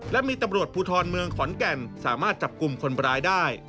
และมีตำรวจภูทรเมืองขอนแก่นสามารถจับกลุ่มคนร้ายได้